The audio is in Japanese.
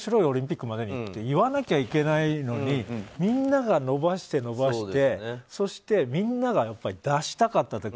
オリンピックまでにって言わなきゃいけないのにみんなが延ばして、延ばしてそして、みんなが出したかった。